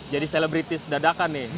jadi selebritis dadakan nih